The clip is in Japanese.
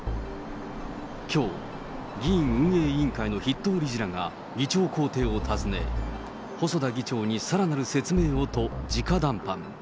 きょう、議院運営委員会の筆頭理事らが議長公邸を訪ね、細田議長にさらなる説明をとじか談判。